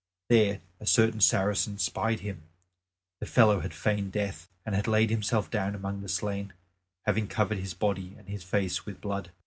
There a certain Saracen spied him. The fellow had feigned death, and had laid himself down among the slain, having covered his body and his face with blood.